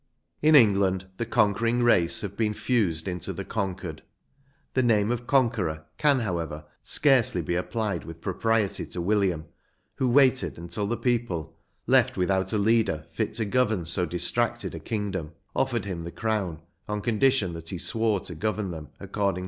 In England the conquering race have been fused into the conquered: the name of Conqueror can, however, scarcely be applied with propriety to William, who "waited" until the people, left without a leader fit to govern so distracted a kingdom, offered him the crown, on condition that he swore to govern them according.